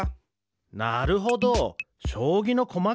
なるほどしょうぎのこまかあ。